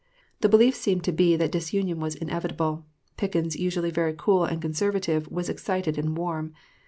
The belief seemed to be that disunion was inevitable; Pickens, usually very cool and conservative, was excited and warm.